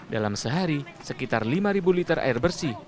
dalam sehari sekitar lima liter air bersih